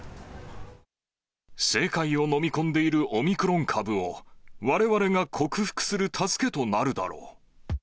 世界を飲み込んでいるオミクロン株をわれわれが克服する助け